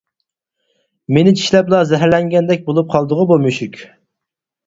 مېنى چىشلەپلا زەھەرلەنگەندەك بولۇپ قالدىغۇ بۇ مۈشۈك؟ !